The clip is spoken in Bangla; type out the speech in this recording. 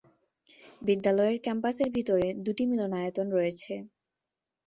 বিদ্যালয়ের ক্যাম্পাসের ভিতরে দুটি মিলনায়তন রয়েছে।